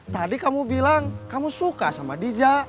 tadi kamu bilang kamu suka sama dija